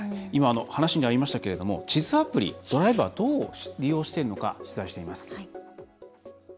話にありましたけど地図アプリ、ドライバーどう利用しているのか取材しています。